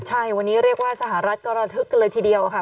ใช่วันนี้เรียกว่าสหรัฐก็ระทึกกันเลยทีเดียวค่ะ